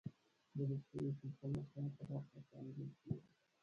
د روغتیايي سیستم اصلاح په برخه کې انځور شوې ده.